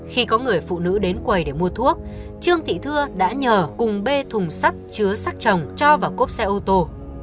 khi có người phụ nữ đến quầy để mua thuốc trương thị thưa đã nhờ cùng bê thùng sắt chứa sắc trồng cho vào cốp xe ô tô